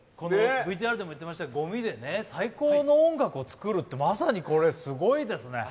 ＶＴＲでも言っていましたけど、ごみで最高の音楽を作るってまさにこれ、すごいですね。